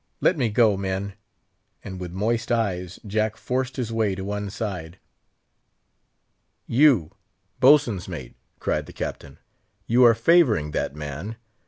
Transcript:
Let me go, men!" and with moist eyes Jack forced his way to one side. "You, boatswain's mate," cried the Captain, "you are favouring that man!